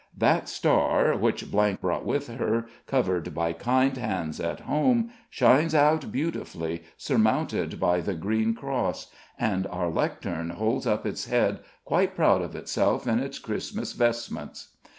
That star, which brought with her, covered by kind hands at home, shines out beautifully, surmounted by the green cross; and our Lectern holds up its head, quite proud of itself in its Christmas vestments.